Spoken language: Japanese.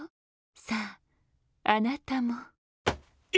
さああなたも。え！